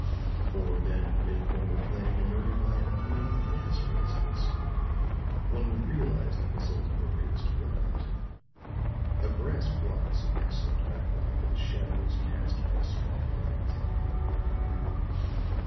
For, then, if one were planning a murder by illuminating gas, for instance, one would realize the result of a raised blind. A grass plot is an excellent background for the shadows cast by a strong light."